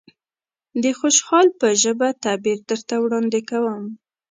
د خوشحال په ژبه تعبير درته وړاندې کوم.